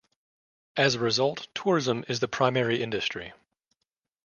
As a result, tourism is the primary industry.